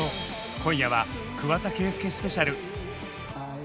今夜は桑田佳祐スペシャル！